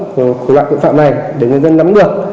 của loại tội phạm này để người dân nắm được